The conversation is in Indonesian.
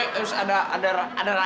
terus ada rayap banyak